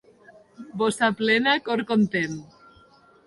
Bossa plena, cor content.